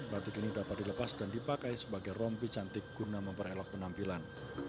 batik ini dapat dilepas dan dipakai sebagai rompi cantik guna memperelok penampilan